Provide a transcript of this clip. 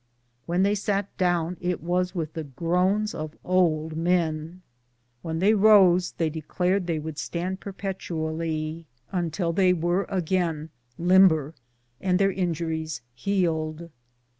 When they sat down it was with the groans of old men. When they rose they declared they would stand perpetually until they were again limber and their injuries healed.